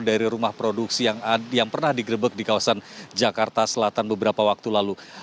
dari rumah produksi yang pernah digrebek di kawasan jakarta selatan beberapa waktu lalu